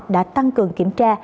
đã tăng cường kiểm tra